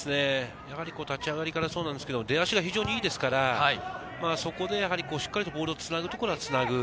立ち上がりからそうですが、出足が非常にいいですから、そこでしっかりとボールをつなぐところはつなぐ。